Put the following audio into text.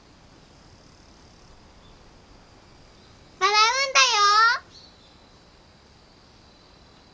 笑うんだよ！